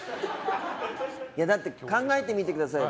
だって、考えてみてくださいよ。